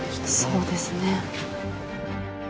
そうですね。